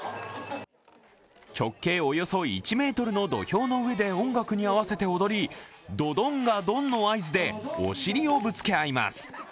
直径およそ１ｍの土俵の上で音楽に合わせて踊り「どどんがどん」の合図でお尻をぶつけ合います。